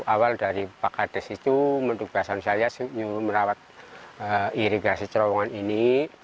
awal dari pak kades itu menurut saya merawat irigasi terowongan ini